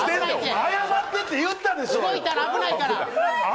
謝ってって言ったでしょ！